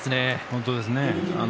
本当ですね。